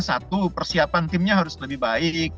satu persiapan timnya harus lebih baik